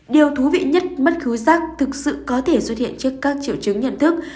điều thú vị nhất mất khứu rắc thực sự có thể xuất hiện trước các triệu chứng nhận thức